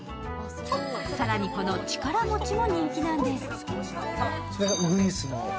更に、この力餅も人気なんです。